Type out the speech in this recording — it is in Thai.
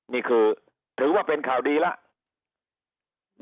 นี่คือถือว่าเป็นข่าวดีแล้ว